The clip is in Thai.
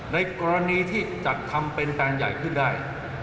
ในกรณีที่จัดทำเป็นการใหญ่ขึ้นได้